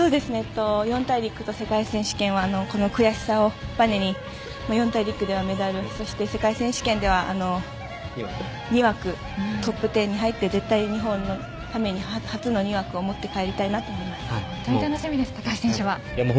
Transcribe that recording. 四大陸と世界選手権はこの悔しさをばねに四大陸では、メダルそして世界選手権では２枠、トップ１０に入って絶対日本のために初の２枠を持って帰りたいなと思います。